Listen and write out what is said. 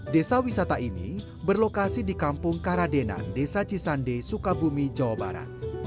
desa wisata ini berlokasi di kampung karadenan desa cisande sukabumi jawa barat